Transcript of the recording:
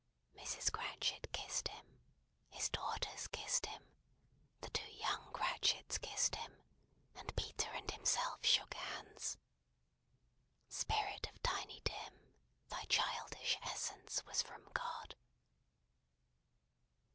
Mrs. Cratchit kissed him, his daughters kissed him, the two young Cratchits kissed him, and Peter and himself shook hands. Spirit of Tiny Tim, thy childish essence was from God!